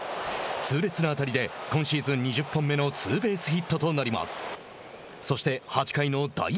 痛烈な当たりで今シーズン２０本目のツーベースヒットとなります。